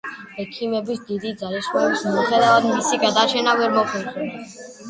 ექიმების დიდი ძალისხმევის მიუხედავად მისი გადარჩენა ვერ მოხერხდა.